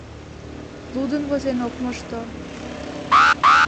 Лудын-возен ок мошто.